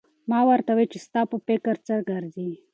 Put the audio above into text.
ما ته وایه چې ستا په فکر کې څه ګرځي؟